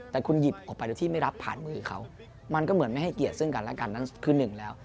แต่คุณหยิบออกไปโดยที่ไม่รับผ่านมือเขามันก็เหมือนไม่ให้เกียรติซึ่งกันและกันนั้นคือหนึ่งแล้ว